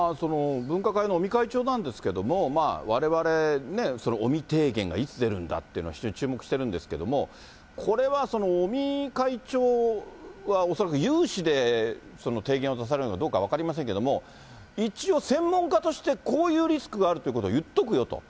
分科会の尾身会長なんですけども、われわれ、尾身提言がいつ出るんだというのを非常に注目しているんですけれども、これは尾身会長は恐らく有志で提言を出されるのかどうか、分かりませんけれども、一応、専門家としてこういうリスクがあるってことは言っとくよと。